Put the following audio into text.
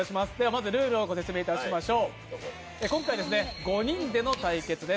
まずルールをご説明いたします。